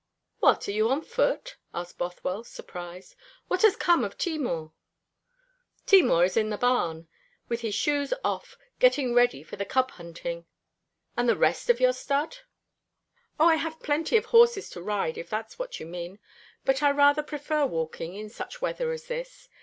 "What, are you on foot?" asked Bothwell, surprised. "What has become of Timour?" "Timour is in a barn, with his shoes off, getting ready for the cub hunting." "And the rest of your stud?" "O, I have plenty of horses to ride, if that is what you mean; but I rather prefer walking, in such weather as this.